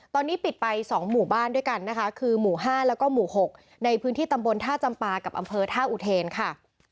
ตอนนี้ปิดไป๒หมู่บ้านด้วยกันนะคะคือหมู่๕แล้วก็หมู่๖ในพื้นที่ตำบลท่าจำปากับอำเภอท่าอุเทนค่ะ